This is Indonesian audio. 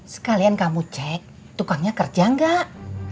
sekalian kamu cek tukangnya kerja enggak